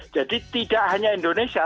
jadi tidak hanya indonesia